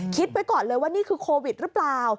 คิดไว้ก่อนเลยว่านี่คือโควิดหรือเปล่า